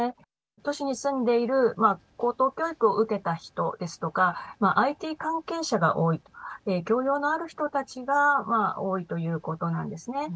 都市に住んでいる高等教育を受けた人ですとかＩＴ関係者が多い教養のある人たちが多いということなんですね。